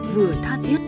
vừa tha thiết